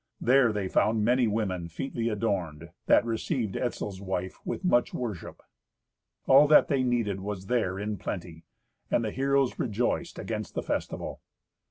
There they found many women featly adorned, that received Etzel's wife with much worship. All that they needed was there in plenty, and the heroes rejoiced against the festival.